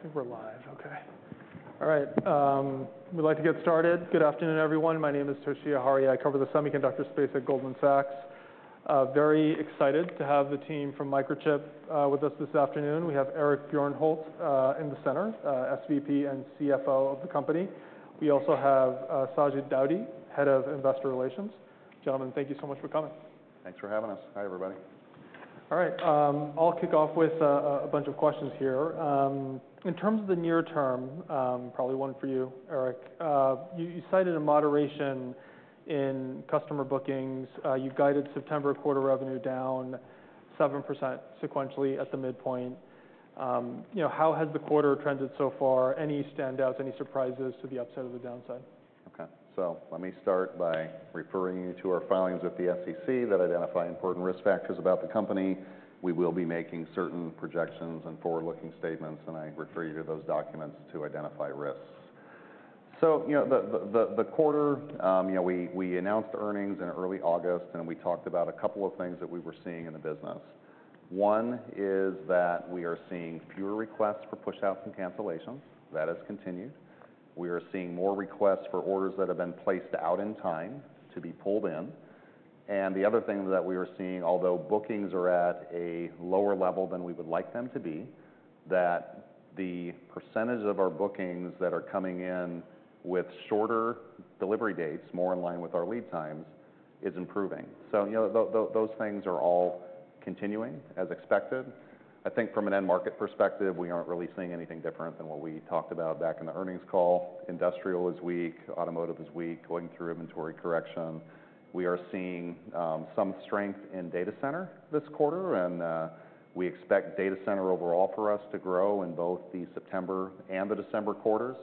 I think we're live. Okay. All right, we'd like to get started. Good afternoon, everyone. My name is Toshiya Hari. I cover the semiconductor space at Goldman Sachs. Very excited to have the team from Microchip with us this afternoon. We have Eric Bjornholt in the center, SVP and CFO of the company. We also have Sajid Daudi, Head of Investor Relations. Gentlemen, thank you so much for coming. Thanks for having us. Hi, everybody. All right, I'll kick off with a bunch of questions here. In terms of the near term, probably one for you, Eric. You cited a moderation in customer bookings. You've guided September quarter revenue down 7% sequentially at the midpoint. You know, how has the quarter trended so far? Any standouts, any surprises to the upside or the downside? Okay. So let me start by referring you to our filings with the SEC that identify important risk factors about the company. We will be making certain projections and forward-looking statements, and I refer you to those documents to identify risks. So, you know, the quarter, you know, we announced earnings in early August, and we talked about a couple of things that we were seeing in the business. One is that we are seeing fewer requests for pushouts and cancellations. That has continued. We are seeing more requests for orders that have been placed out in time to be pulled in. The other thing that we are seeing, although bookings are at a lower level than we would like them to be, that the percentage of our bookings that are coming in with shorter delivery dates, more in line with our lead times, is improving. So, you know, those things are all continuing as expected. I think from an end market perspective, we aren't really seeing anything different than what we talked about back in the earnings call. Industrial is weak, automotive is weak, going through inventory correction. We are seeing some strength in data center this quarter, and we expect data center overall for us to grow in both the September and the December quarters.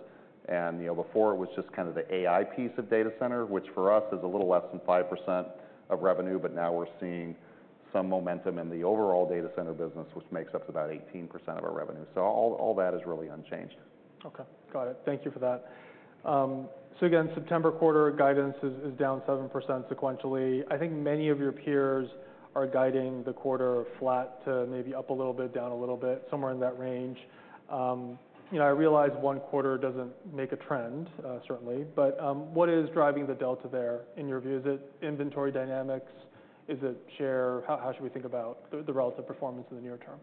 You know, before it was just kind of the AI piece of data center, which for us is a little less than 5% of revenue, but now we're seeing some momentum in the overall data center business, which makes up about 18% of our revenue. So all that is really unchanged. Okay. Got it. Thank you for that. So again, September quarter guidance is down 7% sequentially. I think many of your peers are guiding the quarter flat to maybe up a little bit, down a little bit, somewhere in that range. You know, I realize one quarter doesn't make a trend, certainly, but what is driving the delta there in your view? Is it inventory dynamics? Is it share? How should we think about the relative performance in the near term?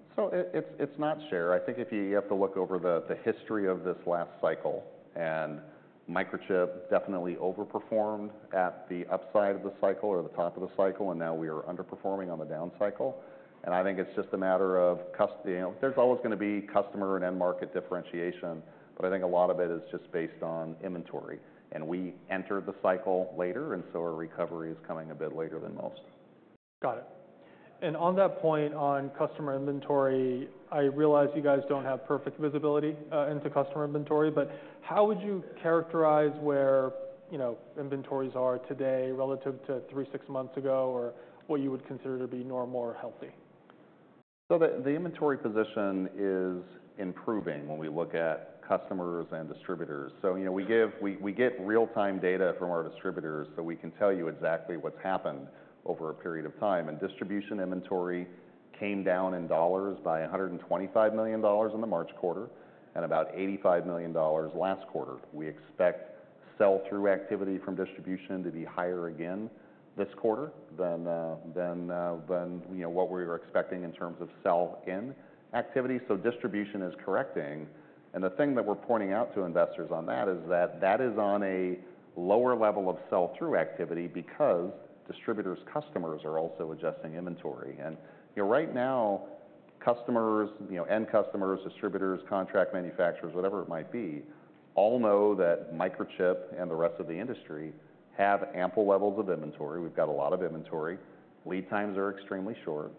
It's not share. I think if you have to look over the history of this last cycle, and Microchip definitely overperformed at the upside of the cycle or the top of the cycle, and now we are underperforming on the down cycle. I think it's just a matter of customer. You know, there's always going to be customer and end market differentiation, but I think a lot of it is just based on inventory, and we entered the cycle later, and so our recovery is coming a bit later than most. Got it. And on that point, on customer inventory, I realize you guys don't have perfect visibility into customer inventory, but how would you characterize where, you know, inventories are today relative to three, six months ago, or what you would consider to be normal or healthy? The inventory position is improving when we look at customers and distributors. You know, we get real-time data from our distributors, so we can tell you exactly what's happened over a period of time. Distribution inventory came down in dollars by $125 million in the March quarter and about $85 million last quarter. We expect sell-through activity from distribution to be higher again this quarter than you know what we were expecting in terms of sell-in activity. Distribution is correcting, and the thing that we're pointing out to investors on that is that that is on a lower level of sell-through activity because distributors' customers are also adjusting inventory. And, you know, right now, customers, you know, end customers, distributors, contract manufacturers, whatever it might be, all know that Microchip and the rest of the industry have ample levels of inventory. We've got a lot of inventory. Lead times are extremely short.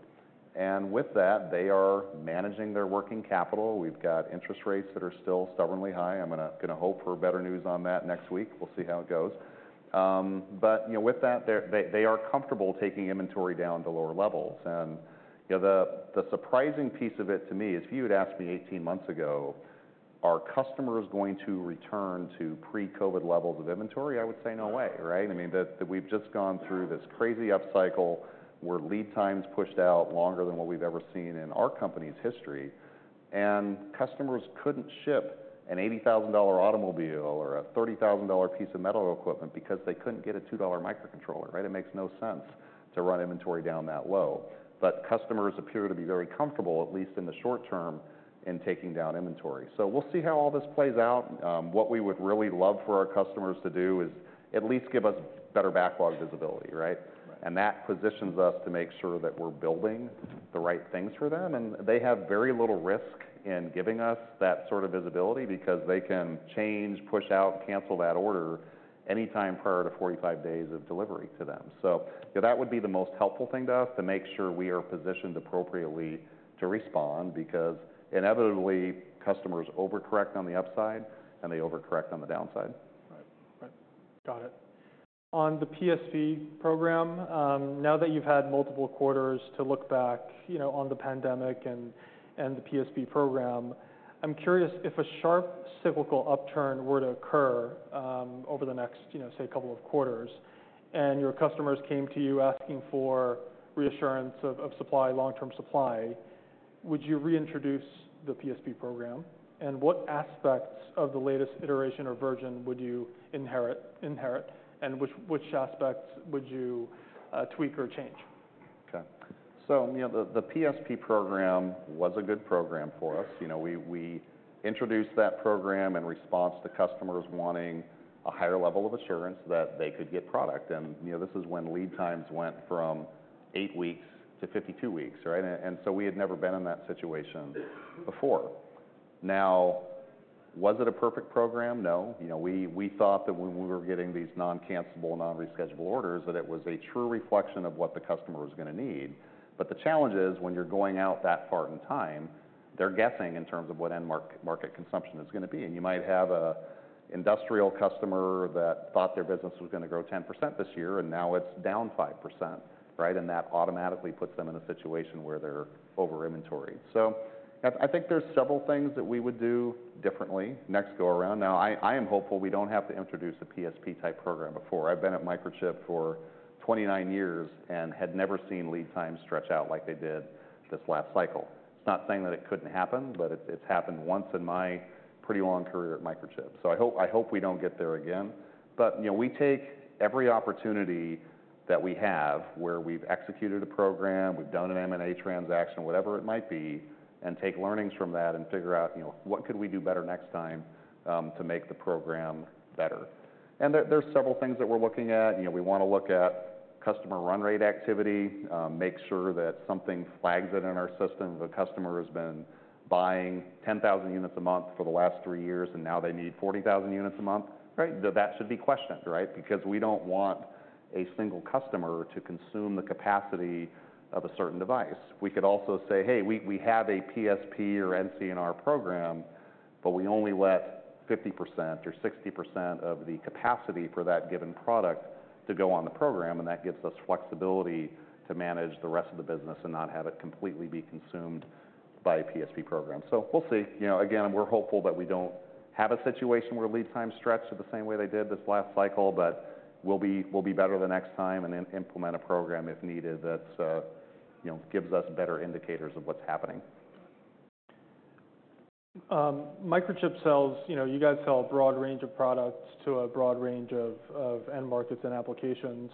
And with that, they are managing their working capital. We've got interest rates that are still stubbornly high. I'm gonna hope for better news on that next week. We'll see how it goes, but, you know, with that, they are comfortable taking inventory down to lower levels. And, you know, the surprising piece of it to me is, if you had asked me 18 months ago, are customers going to return to pre-COVID levels of inventory? I would say, "No way," right? I mean, that, we've just gone through this crazy upcycle, where lead times pushed out longer than what we've ever seen in our company's history, and customers couldn't ship an $80,000 automobile or a $30,000 piece of metal equipment because they couldn't get a $2 microcontroller, right? It makes no sense to run inventory down that low. But customers appear to be very comfortable, at least in the short term, in taking down inventory. So we'll see how all this plays out. What we would really love for our customers to do is at least give us better backlog visibility, right And that positions us to make sure that we're building the right things for them, and they have very little risk in giving us that sort of visibility because they can change, push out, cancel that order anytime prior to 45 days of delivery to them. So, you know, that would be the most helpful thing to us, to make sure we are positioned appropriately to respond, because inevitably, customers overcorrect on the upside, and they overcorrect on the downside. Right. Right. Got it. On the PSP program, now that you've had multiple quarters to look back, you know, on the pandemic and the PSP program, I'm curious if a sharp cyclical upturn were to occur, over the next, you know, say, couple of quarters, and your customers came to you asking for reassurance of supply, long-term supply... Would you reintroduce the PSP program? And what aspects of the latest iteration or version would you inherit, and which aspects would you tweak or change? Okay. So, you know, the PSP program was a good program for us. You know, we introduced that program in response to customers wanting a higher level of assurance that they could get product. And, you know, this is when lead times went from eight weeks to 52 weeks, right? And so we had never been in that situation before. Now, was it a perfect program? No. You know, we thought that when we were getting these non-cancellable, non-reschedulable orders, that it was a true reflection of what the customer was going to need. But the challenge is, when you're going out that far in time, they're guessing in terms of what end-market consumption is going to be. And you might have an industrial customer that thought their business was going to grow 10% this year, and now it's down 5%, right? And that automatically puts them in a situation where they're over inventoried. So I think there's several things that we would do differently next go around. Now, I am hopeful we don't have to introduce a PSP-type program before. I've been at Microchip for 29 years and had never seen lead time stretch out like they did this last cycle. It's not saying that it couldn't happen, but it's happened once in my pretty long career at Microchip, so I hope we don't get there again. But, you know, we take every opportunity that we have where we've executed a program, we've done an M&A transaction, whatever it might be, and take learnings from that and figure out, you know, what could we do better next time to make the program better? And there's several things that we're looking at. You know, we want to look at customer run rate activity, make sure that something flags it in our system. The customer has been buying 10,000 units a month for the last three years, and now they need 40,000 units a month, right? That should be questioned, right? Because we don't want a single customer to consume the capacity of a certain device. We could also say, "Hey, we, we have a PSP or NCNR program, but we only let 50% or 60% of the capacity for that given product to go on the program, and that gives us flexibility to manage the rest of the business and not have it completely be consumed by a PSP program. So we'll see. You know, again, we're hopeful that we don't have a situation where lead time stretch to the same way they did this last cycle, but we'll be, we'll be better the next time and then implement a program if needed, that, you know, gives us better indicators of what's happening. Microchip sells... You know, you guys sell a broad range of products to a broad range of end markets and applications.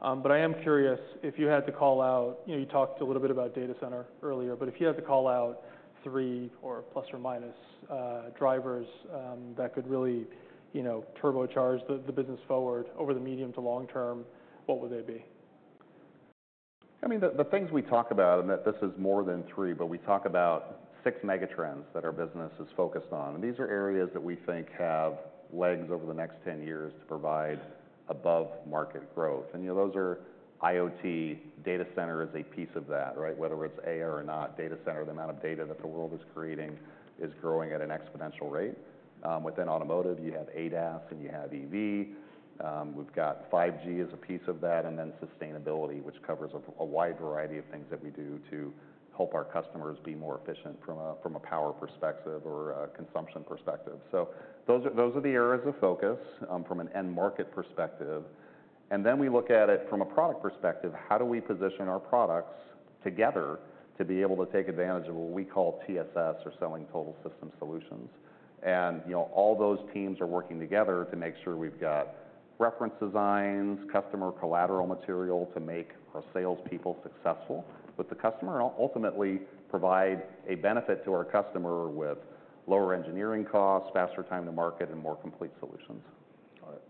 But I am curious if you had to call out—you know, you talked a little bit about data center earlier—but if you had to call out three or plus or minus drivers that could really, you know, turbocharge the business forward over the medium to long term, what would they be? I mean, the things we talk about, and that this is more than three, but we talk about 6 megatrends that our business is focused on. And these are areas that we think have legs over the next 10 years to provide above-market growth. And, you know, those are IoT. Data center is a piece of that, right? Whether it's AR or not, data center, the amount of data that the world is creating is growing at an exponential rate. Within automotive, you have ADAS, and you have EV. We've got 5G as a piece of that, and then sustainability, which covers a wide variety of things that we do to help our customers be more efficient from a power perspective or a consumption perspective. So those are the areas of focus from an end market perspective. Then we look at it from a product perspective, how do we position our products together to be able to take advantage of what we call TSS or selling total system solutions? You know, all those teams are working together to make sure we've got reference designs, customer collateral material to make our salespeople successful. But the customer ultimately provide a benefit to our customer with lower engineering costs, faster time to market, and more complete solutions. Got it.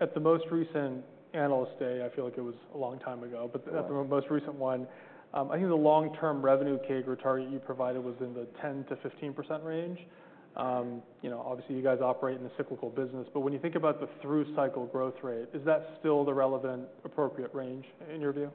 At the most recent Analyst Day, I feel like it was a long time ago, but at the most recent one, I think the long-term revenue CAGR target you provided was in the 10-15% range. You know, obviously, you guys operate in a cyclical business, but when you think about the through-cycle growth rate, is that still the relevant, appropriate range in your view?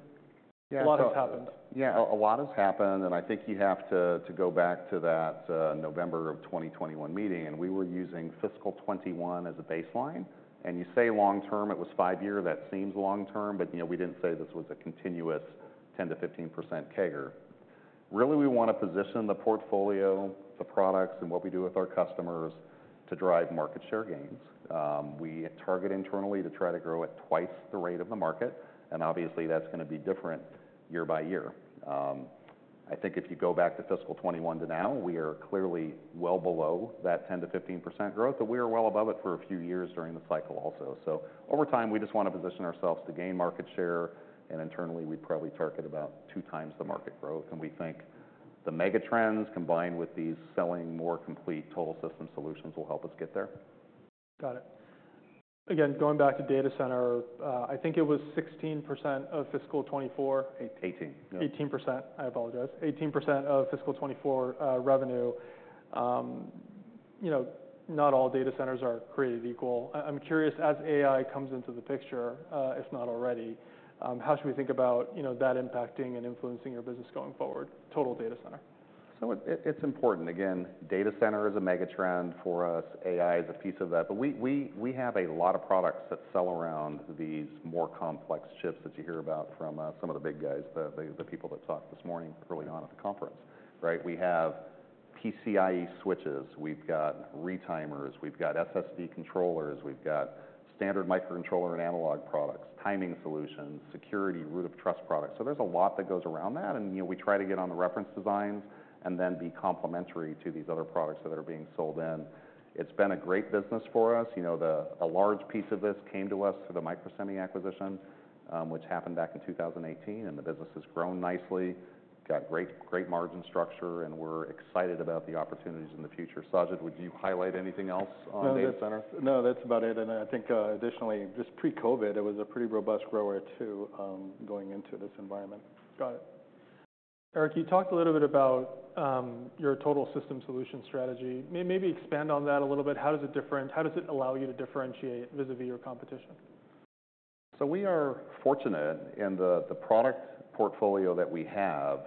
Yeah.A lot has happened. Yeah, a lot has happened, and I think you have to go back to that November of 2021 meeting, and we were using fiscal twenty-one as a baseline. And you say long term, it was five years. That seems long term, but, you know, we didn't say this was a continuous 10%-15% CAGR. Really, we want to position the portfolio, the products, and what we do with our customers to drive market share gains. We target internally to try to grow at twice the rate of the market, and obviously, that's going to be different year by year. I think if you go back to fiscal 2021 to now, we are clearly well below that 10%-15% growth, but we are well above it for a few years during the cycle also. So over time, we just want to position ourselves to gain market share, and internally, we probably target about two times the market growth. And we think the mega trends, combined with these selling more complete total system solutions, will help us get there. Got it. Again, going back to data center, I think it was 16% of fiscal 2024. Eighteen, yeah. 18%. I apologize. 18% of fiscal 2024 revenue. You know, not all data centers are created equal. I'm curious, as AI comes into the picture, if not already, how should we think about that impacting and influencing your business going forward? Total data center. So it's important. Again, data center is a mega trend for us. AI is a piece of that, but we have a lot of products that sell around these more complex chips that you hear about from some of the big guys, the people that talked this morning early on at the conference, right? We have PCIe switches, we've got retimers, we've got SSD controllers, we've got standard microcontroller and analog products, timing solutions, security, root of trust products. So there's a lot that goes around that, and, you know, we try to get on the reference designs and then be complementary to these other products that are being sold in. It's been a great business for us. You know, a large piece of this came to us through the Microsemi acquisition, which happened back in 2018, and the business has grown nicely, got great, great margin structure, and we're excited about the opportunities in the future. Sajid, would you highlight anything else on data center? No, that's about it. And I think, additionally, just pre-COVID, it was a pretty robust grower, too, going into this environment. Got it. Eric, you talked a little bit about your total system solution strategy. Maybe expand on that a little bit. How does it alSo we are fortunate in the product portfolio that we have,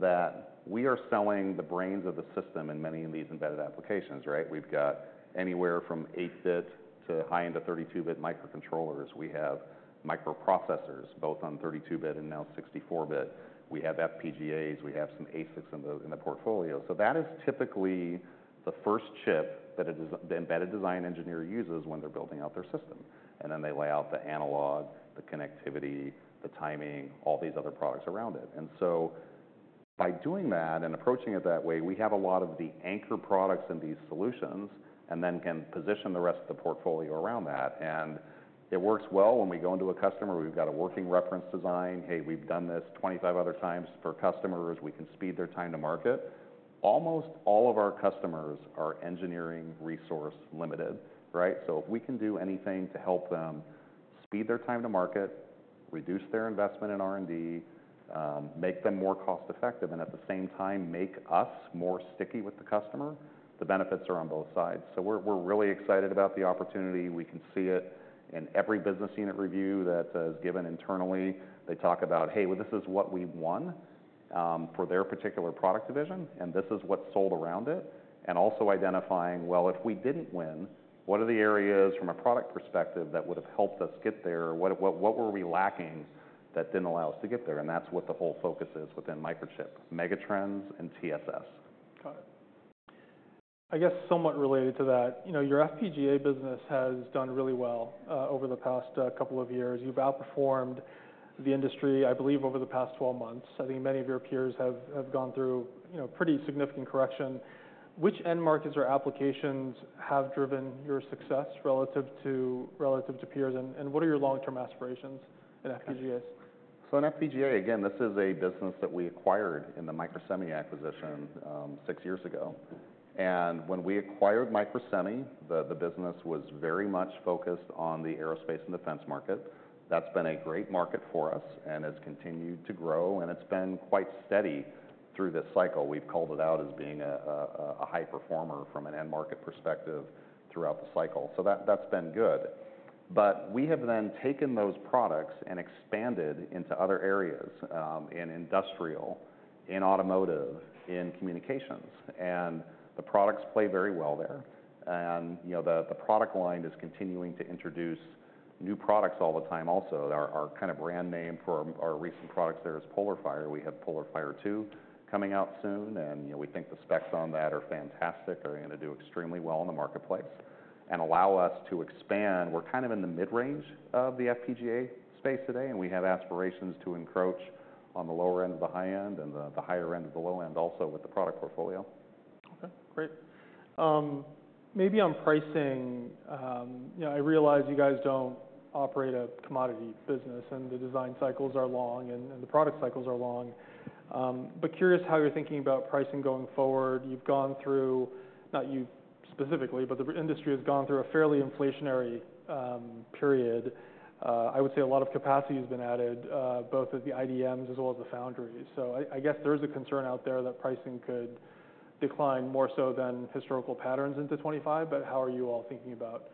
that we are selling the brains of the system in many of these embedded applications, right? We've got anywhere from 8-bit to high-end to 32-bit microcontrollers. We have microprocessors, both on 32-bit and now 64-bit. We have FPGAs, we have some ASICs in the portfolio. So that is typically the first chip that a designer, the embedded design engineer, uses when they're building out their system. And then they lay out the analog, the connectivity, the timing, all these other products around it. And so by doing that and approaching it that way, we have a lot of the anchor products in these solutions and then can position the rest of the portfolio around that. And it works well when we go into a customer. We've got a working reference design. "Hey, we've done this 25 other times for customers. We can speed their time to market." Almost all of our customers are engineering resource limited, right? So if we can do anything to help them speed their time to market, reduce their investment in R&D, make them more cost-effective, and at the same time, make us more sticky with the customer, the benefits are on both sides. So we're really excited about the opportunity. We can see it in every business unit review that is given internally. They talk about, "Hey, well, this is what we've won," for their particular product division, "and this is what's sold around it." And also identifying: Well, if we didn't win, what are the areas from a product perspective that would have helped us get there? What were we lacking that didn't allow us to get there? And that's what the whole focus is within Microchip, megatrends and TSS. Got it. I guess, somewhat related to that, you know, your FPGA business has done really well over the past couple of years. You've outperformed the industry, I believe, over the past 12 months. I think many of your peers have gone through, you know, pretty significant correction. Which end markets or applications have driven your success relative to peers, and what are your long-term aspirations in FPGAs? So in FPGA, again, this is a business that we acquired in the Microsemi acquisition six years ago. And when we acquired Microsemi, the business was very much focused on the aerospace and defense market. That's been a great market for us and has continued to grow, and it's been quite steady through this cycle. We've called it out as being a high performer from an end market perspective throughout the cycle. So that's been good. But we have then taken those products and expanded into other areas in industrial, in automotive, in communications, and the products play very well there. And, you know, the product line is continuing to introduce new products all the time also. Our kind of brand name for our recent products there is PolarFire. We have PolarFire Two coming out soon, and, you know, we think the specs on that are fantastic. They're going to do extremely well in the marketplace and allow us to expand. We're kind of in the mid-range of the FPGA space today, and we have aspirations to encroach on the lower end of the high end and the higher end of the low end also with the product portfolio. Okay, great. Maybe on pricing, you know, I realize you guys don't operate a commodity business, and the design cycles are long, and the product cycles are long. But curious how you're thinking about pricing going forward? You've gone through, not you specifically, but the industry has gone through a fairly inflationary period. I would say a lot of capacity has been added, both at the IDMs as well as the foundries. So I guess there is a concern out there that pricing could decline more so than historical patterns into 2025, but how are you all thinking about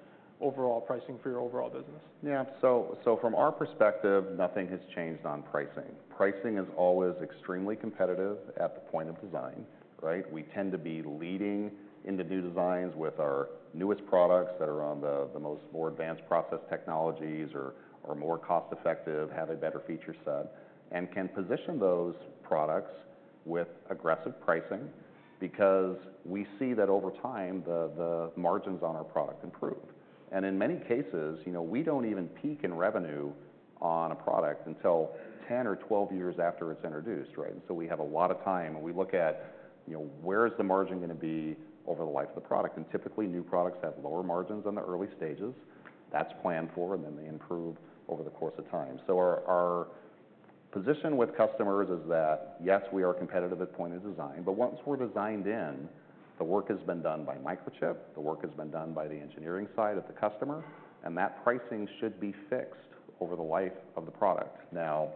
overall pricing for your overall business? Yeah. From our perspective, nothing has changed on pricing. Pricing is always extremely competitive at the point of design, right? We tend to be leading in the new designs with our newest products that are on the most advanced process technologies or more cost-effective, have a better feature set, and can position those products with aggressive pricing, because we see that over time, the margins on our product improve. In many cases, you know, we don't even peak in revenue on a product until 10 or 12 years after it's introduced, right? We have a lot of time, and we look at, you know, where is the margin gonna be over the life of the product. Typically, new products have lower margins in the early stages. That's planned for, and then they improve over the course of time. Our position with customers is that, yes, we are competitive at point of design, but once we're designed in, the work has been done by Microchip, the work has been done by the engineering side of the customer, and that pricing should be fixed over the life of the product. Now,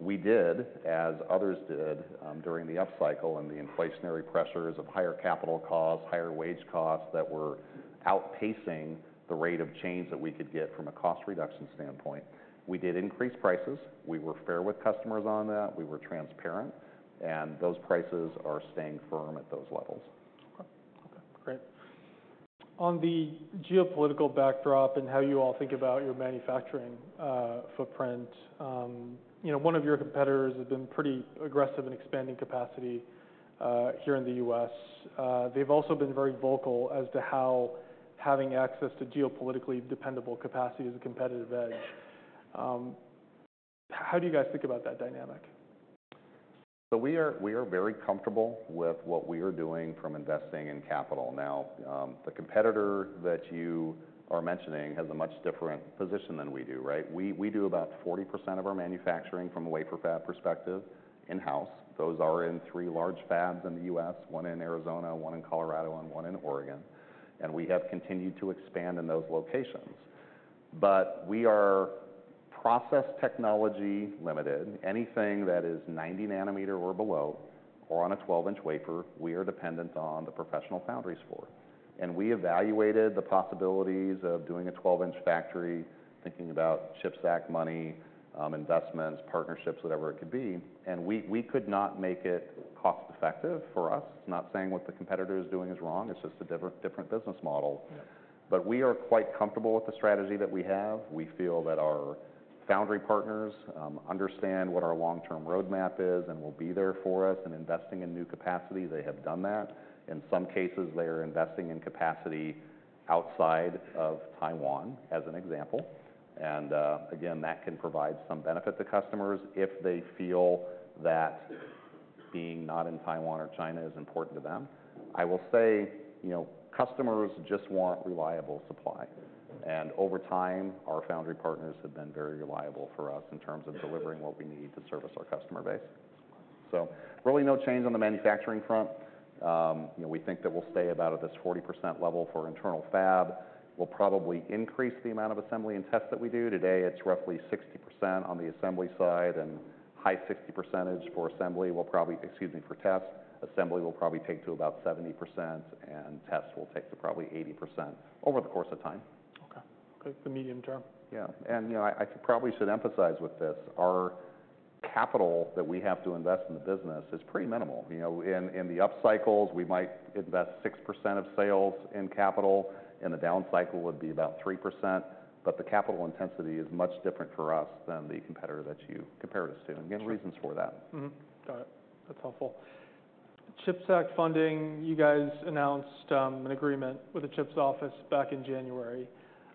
we did, as others did, during the upcycle and the inflationary pressures of higher capital costs, higher wage costs that were outpacing the rate of change that we could get from a cost reduction standpoint, we did increase prices. We were fair with customers on that. We were transparent, and those prices are staying firm at those levels.... Great. On the geopolitical backdrop and how you all think about your manufacturing footprint, you know, one of your competitors has been pretty aggressive in expanding capacity here in the U.S. They've also been very vocal as to how having access to geopolitically dependable capacity is a competitive edge. How do you guys think about that dynamic? We are very comfortable with what we are doing from investing in capital. Now, the competitor that you are mentioning has a much different position than we do, right? We do about 40% of our manufacturing from a wafer fab perspective in-house. Those are in three large fabs in the U.S., one in Arizona, one in Colorado, and one in Oregon, and we have continued to expand in those locations. But we are process technology limited. Anything that is 90 nanometer or below, or on a 12-inch wafer, we are dependent on the professional foundries for. And we evaluated the possibilities of doing a 12-inch factory, thinking about CHIPS Act money, investments, partnerships, whatever it could be, and we could not make it cost-effective for us. Not saying what the competitor is doing is wrong, it's just a different business model. Yeah. But we are quite comfortable with the strategy that we have. We feel that our foundry partners understand what our long-term roadmap is and will be there for us in investing in new capacity. They have done that. In some cases, they are investing in capacity outside of Taiwan, as an example, and again, that can provide some benefit to customers if they feel that being not in Taiwan or China is important to them. I will say, you know, customers just want reliable supply, and over time, our foundry partners have been very reliable for us in terms of delivering what we need to service our customer base. So really no change on the manufacturing front. You know, we think that we'll stay about at this 40% level for internal fab. We'll probably increase the amount of assembly and test that we do. Today, it's roughly 60% on the assembly side, and high 60 percentage for assembly will probably... Excuse me, for test. Assembly will probably take to about 70%, and test will take to probably 80% over the course of time. Okay. Good. The medium term. Yeah. And, you know, I probably should emphasize with this, our capital that we have to invest in the business is pretty minimal. You know, in the up cycles, we might invest 6% of sales in capital. In the down cycle would be about 3%, but the capital intensity is much different for us than the competitor that you compare us to, and again, reasons for that. Mm-hmm. Got it. That's helpful. CHIPS Act funding, you guys announced an agreement with the CHIPS office back in January.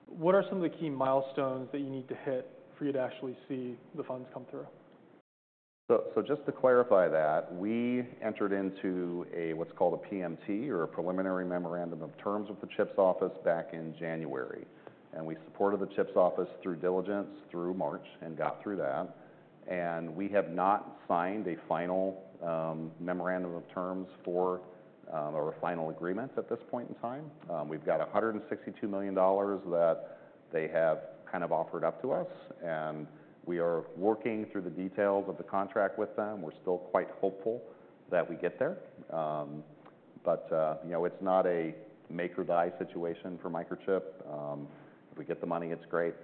What are some of the key milestones that you need to hit for you to actually see the funds come through? So, so just to clarify that, we entered into a what's called a PMT or a preliminary memorandum of terms with the CHIPS office back in January, and we supported the CHIPS office through diligence through March and got through that. And we have not signed a final memorandum of terms for or a final agreement at this point in time. We've got $162 million that they have kind of offered up to us, and we are working through the details of the contract with them. We're still quite hopeful that we get there. But, you know, it's not a make or buy situation for Microchip. If we get the money, it's great.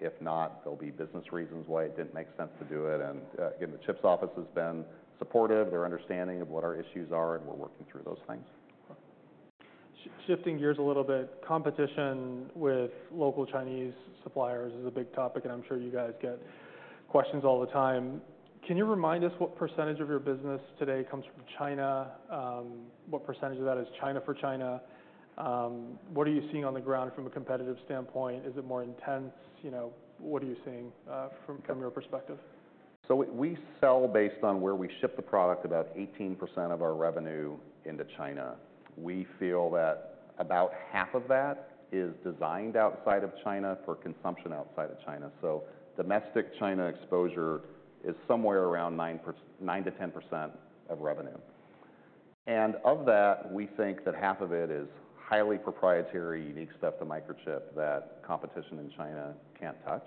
If not, there'll be business reasons why it didn't make sense to do it, and again, the CHIPS office has been supportive. They're understanding of what our issues are, and we're working through those things. Shifting gears a little bit, competition with local Chinese suppliers is a big topic, and I'm sure you guys get questions all the time. Can you remind us what percentage of your business today comes from China? What percentage of that is China for China? What are you seeing on the ground from a competitive standpoint? Is it more intense? You know, what are you seeing from your perspective? So we sell based on where we ship the product, about 18% of our revenue into China. We feel that about half of that is designed outside of China for consumption outside of China. So domestic China exposure is somewhere around 9% to 10% of revenue. And of that, we think that half of it is highly proprietary, unique stuff to Microchip that competition in China can't touch.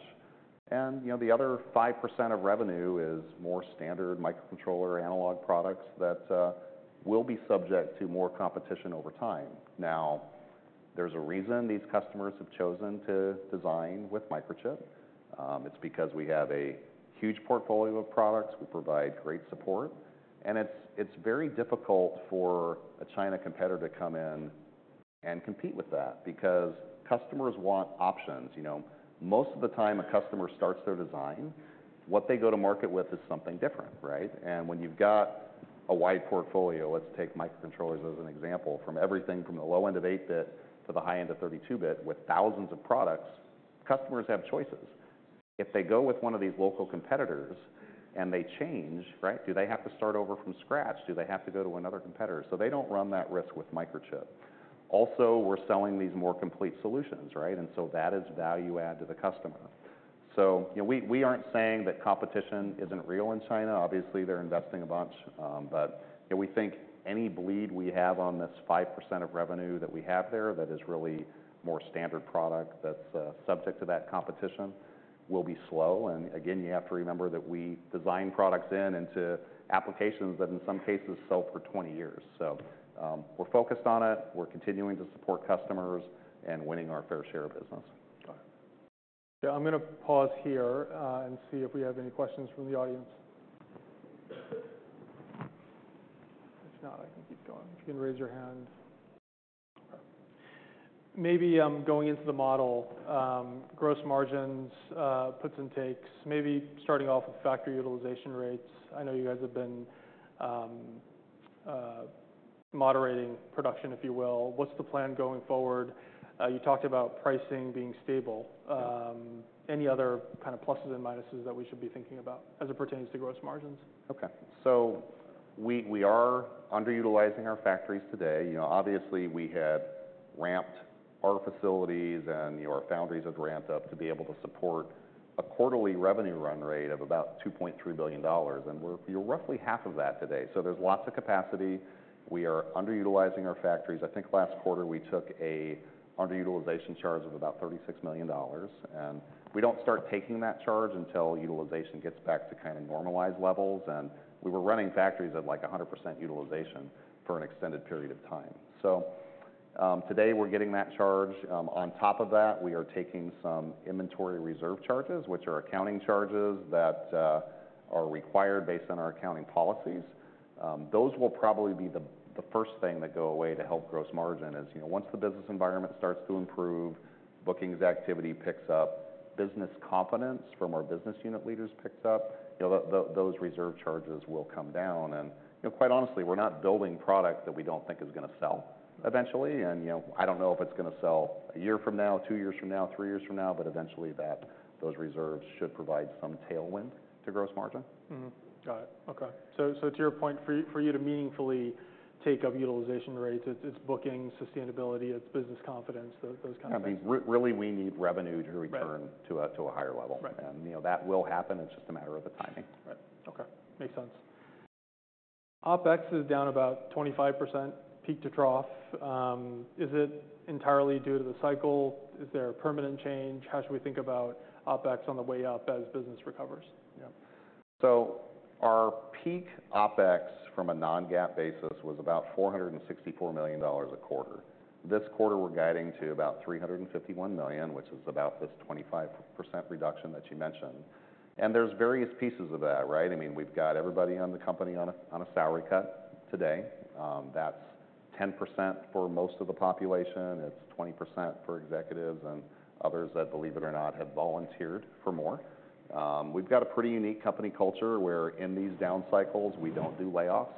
And, you know, the other 5% of revenue is more standard microcontroller analog products that will be subject to more competition over time. Now, there's a reason these customers have chosen to design with Microchip. It's because we have a huge portfolio of products. We provide great support, and it's very difficult for a China competitor to come in and compete with that because customers want options. You know, most of the time, a customer starts their design, what they go to market with is something different, right? And when you've got a wide portfolio, let's take microcontrollers as an example, from everything from the low end of 8-bit to the high end of 32-bit with thousands of products, customers have choices. If they go with one of these local competitors and they change, right, do they have to start over from scratch? Do they have to go to another competitor? So they don't run that risk with Microchip. Also, we're selling these more complete solutions, right? And so that is value add to the customer. So you know, we aren't saying that competition isn't real in China. Obviously, they're investing a bunch, but, you know, we think any bleed we have on this 5% of revenue that we have there, that is really more standard product that's subject to that competition, will be slow. And again, you have to remember that we design products into applications that, in some cases, sell for 20 years. So, we're focused on it. We're continuing to support customers and winning our fair share of business. Got it. Yeah, I'm going to pause here and see if we have any questions from the audience. If not, I can keep going. You can raise your hand. Maybe going into the model, gross margins, puts and takes, maybe starting off with factory utilization rates. I know you guys have been moderating production, if you will. What's the plan going forward? You talked about pricing being stable. Yeah.Any other kind of pluses and minuses that we should be thinking about as it pertains to gross margins? Okay, so we are underutilizing our factories today. You know, obviously, we had ramped our facilities and, you know, our foundries had ramped up to be able to support a quarterly revenue run rate of about $2.3 billion, and we're roughly half of that today. So there's lots of capacity. We are underutilizing our factories. I think last quarter we took an underutilization charge of about $36 million, and we don't start taking that charge until utilization gets back to kind of normalized levels, and we were running factories at, like, 100% utilization for an extended period of time. So, today we're getting that charge. On top of that, we are taking some inventory reserve charges, which are accounting charges that are required based on our accounting policies. Those will probably be the first thing that go away to help gross margin, as you know, once the business environment starts to improve, bookings activity picks up, business confidence from our business unit leaders picks up, you know, those reserve charges will come down. And, you know, quite honestly, we're not building product that we don't think is going to sell eventually. And, you know, I don't know if it's going to sell a year from now, two years from now, three years from now, but eventually those reserves should provide some tailwind to gross margin. Mm-hmm. Got it. Okay. So to your point, for you to meaningfully take up utilization rates, it's booking, sustainability, it's business confidence, those kind of things. I mean, really, we need revenue to return to a higher level. Right.You know, that will happen. It's just a matter of the timing. Right. Okay, makes sense. OpEx is down about 25%, peak to trough. Is it entirely due to the cycle? Is there a permanent change? How should we think about OpEx on the way up as business recovers? Yeah. So our peak OpEx from a non-GAAP basis was about $464 million a quarter. This quarter, we're guiding to about $351 million, which is about this 25% reduction that you mentioned. And there's various pieces of that, right? I mean, we've got everybody in the company on a salary cut today. That's 10% for most of the population, it's 20% for executives and others that, believe it or not, have volunteered for more. We've got a pretty unique company culture, where in these down cycles, we don't do layoffs,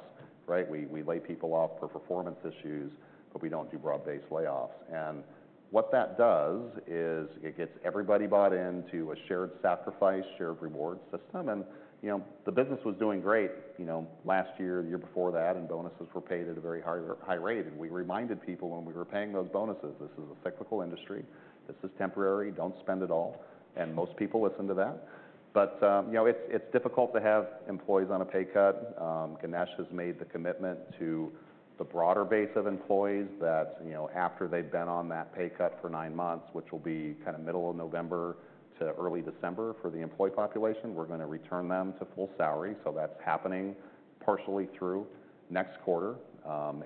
right? We lay people off for performance issues, but we don't do broad-based layoffs. And what that does is it gets everybody bought into a shared sacrifice, shared reward system. You know, the business was doing great, you know, last year, the year before that, and bonuses were paid at a very high rate. We reminded people when we were paying those bonuses, "This is a cyclical industry. This is temporary. Don't spend it all." Most people listened to that. It's difficult to have employees on a pay cut. Ganesh has made the commitment to the broader base of employees that, you know, after they've been on that pay cut for nine months, which will be kind of middle of November to early December for the employee population, we're going to return them to full salary. That's happening partially through next quarter.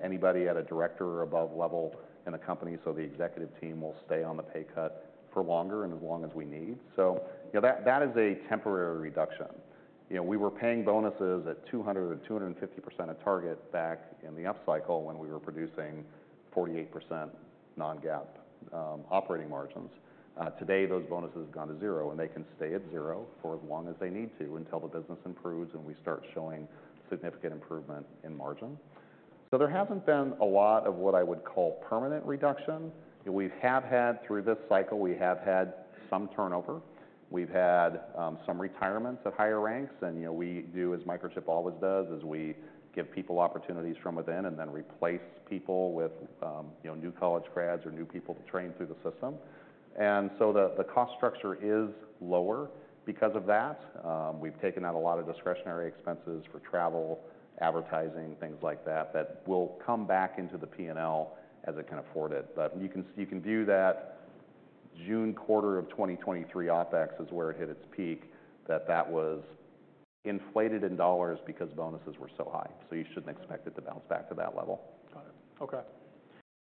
Anybody at a director or above level in the company, so the executive team, will stay on the pay cut for longer and as long as we need. So, you know, that is a temporary reduction. You know, we were paying bonuses at 200%-250% of target back in the upcycle when we were producing 48% non-GAAP operating margins. Today, those bonuses have gone to zero, and they can stay at zero for as long as they need to, until the business improves and we start showing significant improvement in margin. So there hasn't been a lot of what I would call permanent reduction. We have had, through this cycle, some turnover. We've had some retirements at higher ranks, and, you know, we do, as Microchip always does, is we give people opportunities from within and then replace people with, you know, new college grads or new people to train through the system. And so the cost structure is lower because of that. We've taken out a lot of discretionary expenses for travel, advertising, things like that, that will come back into the PNL as it can afford it. But you can view that June quarter of 2023 OpEx is where it hit its peak, that was inflated in dollars because bonuses were so high, so you shouldn't expect it to bounce back to that level. Got it. Okay.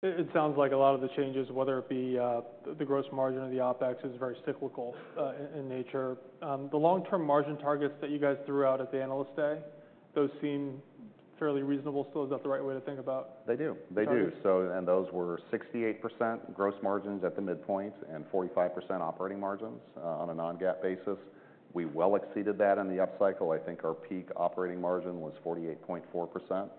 It sounds like a lot of the changes, whether it be the gross margin or the OpEx, is very cyclical in nature. The long-term margin targets that you guys threw out at the Analyst Day, those seem fairly reasonable still. Is that the right way to think about? They do. They do. Got it. So, and those were 68% gross margins at the midpoint and 45% operating margins, on a non-GAAP basis. We well exceeded that in the upcycle. I think our peak operating margin was 48.4%.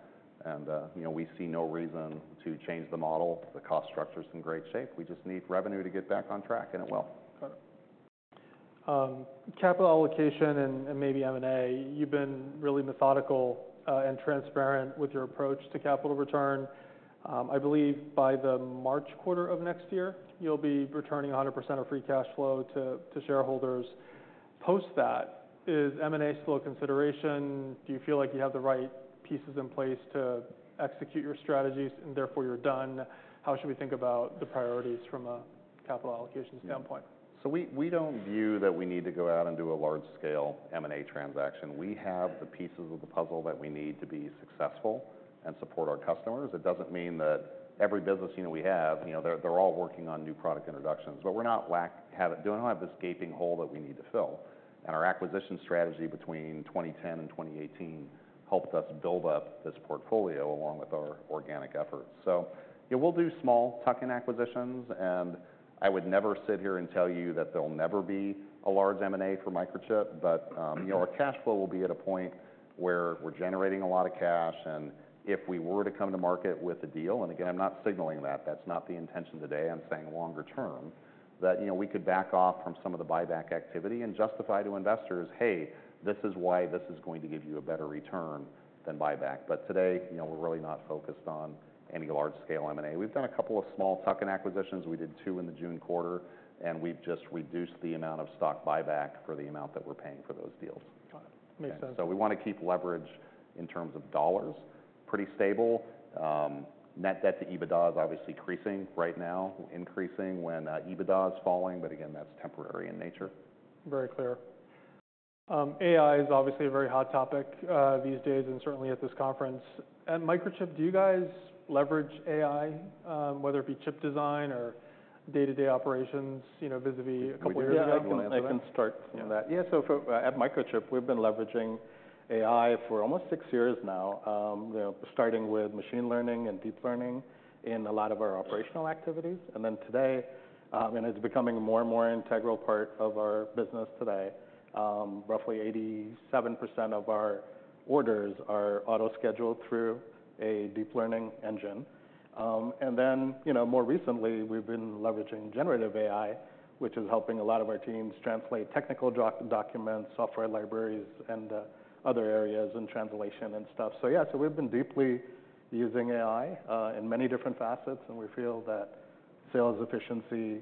And, you know, we see no reason to change the model. The cost structure is in great shape. We just need revenue to get back on track, and it will. Got it. Capital allocation and maybe M&A, you've been really methodical and transparent with your approach to capital return. I believe by the March quarter of next year, you'll be returning 100% of free cash flow to shareholders. Post that, is M&A still a consideration? Do you feel like you have the right pieces in place to execute your strategies, and therefore you're done? How should we think about the priorities from a capital allocations standpoint? So we don't view that we need to go out and do a large-scale M&A transaction. We have the pieces of the puzzle that we need to be successful and support our customers. It doesn't mean that every business, you know, we have, you know, they're all working on new product introductions, but we're not lacking this gaping hole that we need to fill. And our acquisition strategy between 2010 and 2018 helped us build up this portfolio, along with our organic efforts. So, yeah, we'll do small tuck-in acquisitions, and I would never sit here and tell you that there'll never be a large M&A for Microchip, but, you know, our cash flow will be at a point where we're generating a lot of cash, and if we were to come to market with a deal, and again, I'm not signaling that, that's not the intention today, I'm saying longer term, that, you know, we could back off from some of the buyback activity and justify to investors, "Hey, this is why this is going to give you a better return than buyback." But today, you know, we're really not focused on any large scale M&A. We've done a couple of small tuck-in acquisitions. We did two in the June quarter, and we've just reduced the amount of stock buyback for the amount that we're paying for those deals. Got it. Makes sense. So we want to keep leverage in terms of dollars, pretty stable. Net debt to EBITDA is obviously increasing right now, increasing when EBITDA is falling, but again, that's temporary in nature. Very clear. AI is obviously a very hot topic, these days, and certainly at this conference. At Microchip, do you guys leverage AI, whether it be chip design or day-to-day operations, you know, vis-à-vis a couple years ago? Yeah, I can, I can start on that. Yeah, so at Microchip, we've been leveraging AI for almost six years now, you know, starting with machine learning and deep learning in a lot of our operational activities. And then today, and it's becoming more and more integral part of our business today, roughly 87% of our orders are auto-scheduled through a deep learning engine. And then, you know, more recently, we've been leveraging generative AI, which is helping a lot of our teams translate technical documents, software libraries, and other areas and translation and stuff. So yeah, so we've been deeply using AI in many different facets, and we feel that sales efficiency,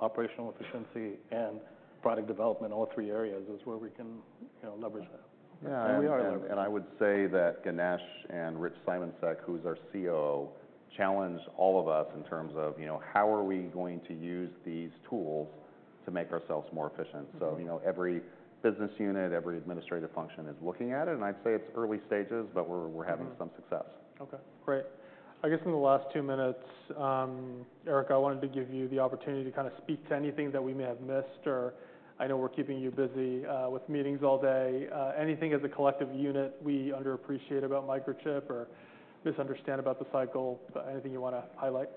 operational efficiency and product development, all three areas, is where we can, you know, leverage that. Yeah. And we are- I would say that Ganesh and Rich Simoncic, who's our COO, challenged all of us in terms of, you know, how are we going to use these tools to make ourselves more efficient. Mm-hmm. You know, every business unit, every administrative function is looking at it, and I'd say it's early stages, but we're having- Mm... some success. Okay, great. I guess in the last two minutes, Eric, I wanted to give you the opportunity to kind of speak to anything that we may have missed or I know we're keeping you busy, with meetings all day. Anything as a collective unit we underappreciate about Microchip or misunderstand about the cycle, but anything you want to highlight?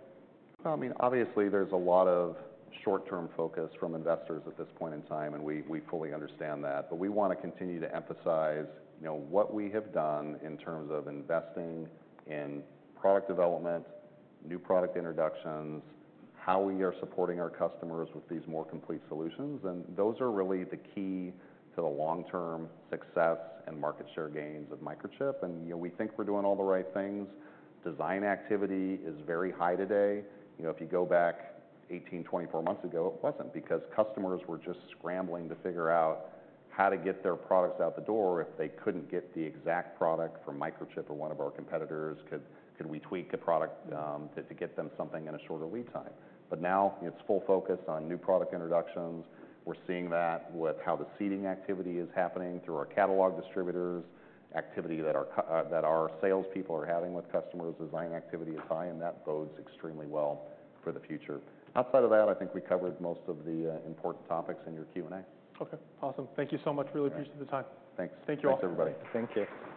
I mean, obviously there's a lot of short-term focus from investors at this point in time, and we fully understand that. We want to continue to emphasize, you know, what we have done in terms of investing in product development, new product introductions, how we are supporting our customers with these more complete solutions, and those are really the key to the long-term success and market share gains of Microchip. You know, we think we're doing all the right things. Design activity is very high today. You know, if you go back 18, 24 months ago, it wasn't, because customers were just scrambling to figure out how to get their products out the door if they couldn't get the exact product from Microchip or one of our competitors. Could we tweak a product to get them something in a shorter lead time? But now it's full focus on new product introductions. We're seeing that with how the seeding activity is happening through our catalog distributors, activity that our salespeople are having with customers. Design activity is high, and that bodes extremely well for the future. Outside of that, I think we covered most of the important topics in your Q&A. Okay, awesome. Thank you so much. Great. Really appreciate the time. Thanks. Thank you all. Thanks, everybody. Thank you.